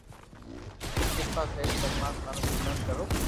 تو ڪرپا ڪرين پرماتما رو سمرن ڪرو